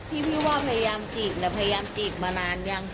พี่พี่ว่าพยายามจีบพยายามจีบมานานยัง